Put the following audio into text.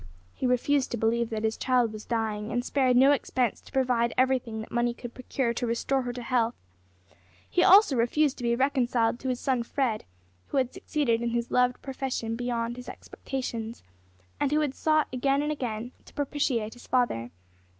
He refused to believe that his child was dying, and spared no expense to provide everything that money could procure to restore her health. He also refused to be reconciled to his son Fred, who had succeeded in his loved profession beyond his expectations, and who had sought, again and again, to propitiate his father.